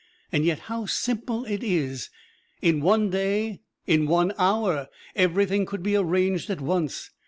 And yet how simple it is: in one day, in one hour everything could be arranged at once!